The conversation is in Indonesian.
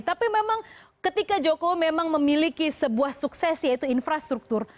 tapi memang ketika jokowi memang memiliki sebuah sukses yaitu infrastruktur